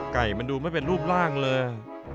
ไก่มันดูไม่เป็นรูปร่างเลย